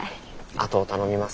あとを頼みます。